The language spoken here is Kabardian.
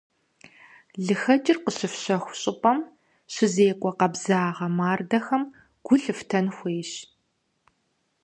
ЛыхэкӀыр къыщыфщэху щӀыпӀэхэм щызекӀуэ къабзагъэ мардэхэм гу лъыфтэн хуейщ.